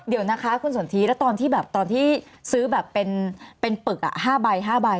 เดี๋ยวนะคะคุณสนทรีย์ตอนที่ซื้อแบบเป็นไปกฎ๕ใบ